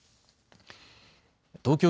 東京